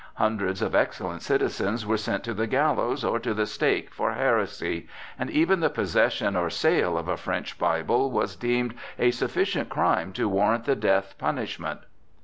Hundreds of excellent citizens were sent to the gallows or to the stake for heresy, and even the possession or sale of a French Bible was deemed a sufficient crime to warrant the death punishment.